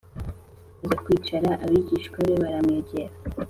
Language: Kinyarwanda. maze kwicara abigishwa be baramwegera